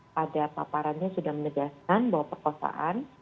pada paparannya sudah menegaskan bahwa perkosaan